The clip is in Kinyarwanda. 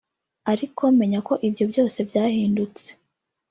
ariko menya ko ibyo byose byahindutse